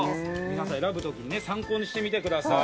皆さん、選ぶ時に参考にしてみてください。